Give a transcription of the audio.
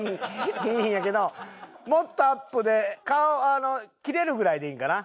いいんやけどもっとアップで顔切れるぐらいでいいんかな？